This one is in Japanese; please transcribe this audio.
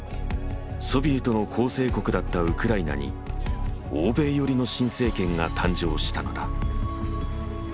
ソビエトの構成国だったウクライナに欧米寄りの新政権が誕生したのだ。